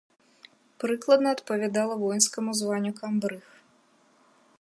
Прыкладна адпавядала воінскаму званню камбрыг.